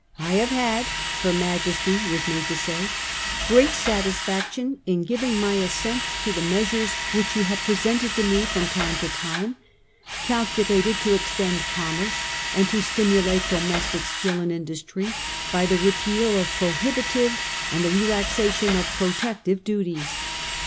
' I have had ' her Majesty was made to say, ' great satisfaction in giving my absent to the measures which you have presented to me from time to time, calculated to extend commerce and to s timula te domestic skill and industry, by the repeal of prohibitive and the relaxation of protective duties.